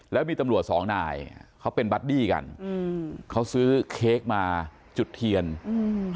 แล้วมีตำรวจสองนายเขาเป็นบัดดี้กันอืมเขาซื้อเค้กมาจุดเทียนอืม